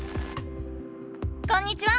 こんにちは！